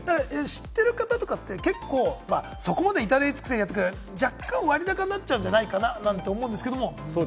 知ってる方とかって結構、そこまで至れり尽くせり、若干、割高になっちゃうんじゃないかなって思うんですけど。